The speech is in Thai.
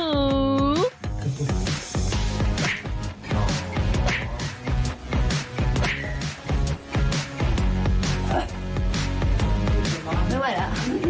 มึงทีมั๊ยไม่ไหวล่ะ